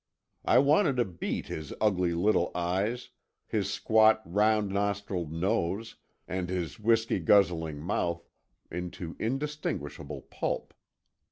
I wanted to beat his ugly little eyes, his squat, round nostriled nose, and his whisky guzzling mouth into indistinguishable pulp.